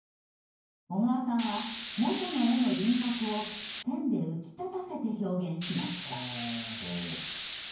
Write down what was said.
小川さんは元の絵の輪郭を線で浮き立たせて表現しました。